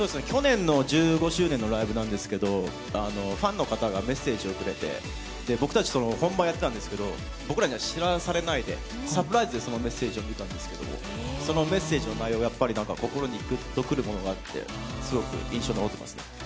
去年の１５周年のライブなんですけど、ファンの方がメッセージをくれて、僕たち、本番やってたんですけど、僕らには知らされないで、サプライズでそのメッセージを見たんですけれども、そのメッセージの内容がやっぱり、なんか心にぐっとくるものがあって、すごく印象に残ってますね。